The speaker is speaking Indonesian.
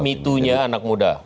mitunya anak muda